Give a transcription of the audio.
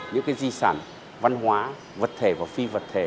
những di sản văn hóa vật thể và phi vật thể